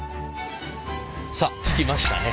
さあ着きましたね。